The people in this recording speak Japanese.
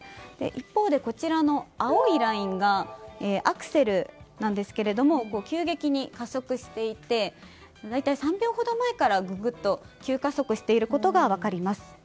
一方で青いラインがアクセルなんですけども急激に加速していて大体３秒ほど前からぐっと急加速していることが分かります。